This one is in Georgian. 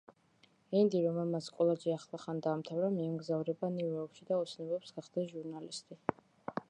ენდი, რომელმაც კოლეჯი ახლახან დაამთავრა, მიემგზავრება ნიუ-იორკში და ოცნებობს გახდეს ჟურნალისტი.